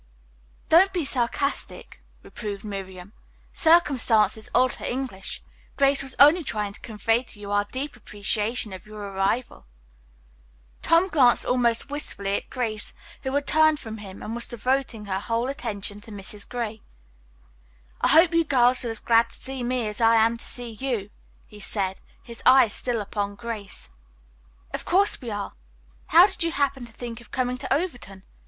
"Don't be sarcastic," reproved Miriam. "Circumstances alter English. Grace was only trying to convey to you our deep appreciation of your arrival." Tom glanced almost wistfully at Grace, who had turned from him and was devoting her whole attention to Mrs. Gray. "I hope you girls are as glad to see me as I am to see you," he said, his eyes still upon Grace. "Of course we are. How did you happen to think of coming to Overton?